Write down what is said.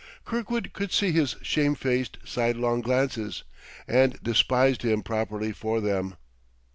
Kirkwood could see his shamefaced, sidelong glances; and despised him properly for them.